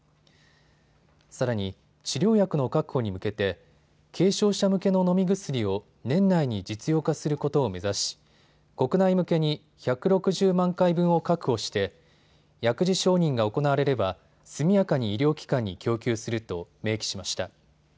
さらに治療薬の確保に向けて軽症者向けの飲み薬を年内に実用化することを目指し、国内向けに１６０万回分を確保して薬事承認が行われれば速やかに医療機関に供給すると明記しました。